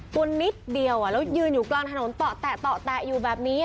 ตัวนิดเดียวแล้วยืนอยู่กลางถนนต่อแตะอยู่แบบนี้